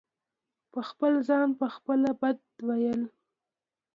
په خپل ځان په خپله بد وئيل